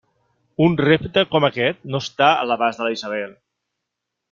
Un repte com aquest no està a l'abast de la Isabel!